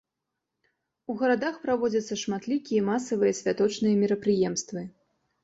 У гарадах праводзяцца шматлікія масавыя святочныя мерапрыемствы.